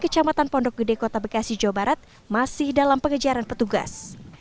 kecamatan pondok gede kota bekasi jawa barat masih dalam pengejaran petugas